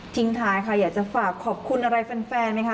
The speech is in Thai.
ท้ายค่ะอยากจะฝากขอบคุณอะไรแฟนไหมคะ